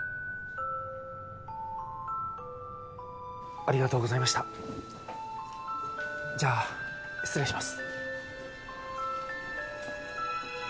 ありがとうございましたじゃあ失礼します